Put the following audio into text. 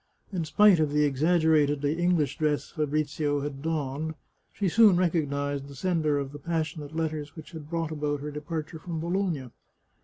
In spite of the exaggeratedly English dress Fa brizio had donned, she soon recognised the sender of the passionate letters which had brought about her departure from Bologna.